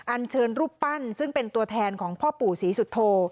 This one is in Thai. อันเชิญรูปปั้นซึ่งเป็นตัวแทนของพ่อปู่ศรีสุโธ